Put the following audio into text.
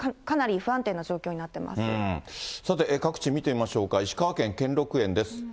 かなり不安定な状況になっていまさて、各地見てみましょうか、石川県、兼六園です。